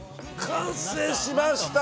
完成しました！